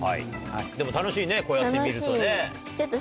でも楽しいねこうやってみるとね。